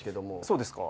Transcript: そうですか。